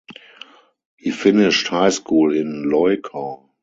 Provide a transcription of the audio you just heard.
He finished high school in Loikaw.